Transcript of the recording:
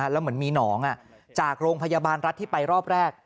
แล้วเหมือนมีหนองจากโรงพยาบาลรัฐที่ไปรอบแรก